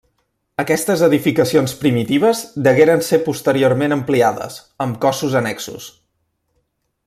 Aquestes edificacions primitives degueren ser posteriorment ampliades, amb cossos annexos.